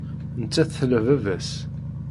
Nettat tla baba-s.